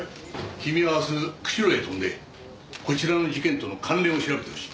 君は明日釧路へ飛んでこちらの事件との関連を調べてほしい。